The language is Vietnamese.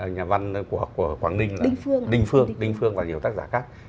nhà văn của quảng ninh đinh phương và nhiều tác giả khác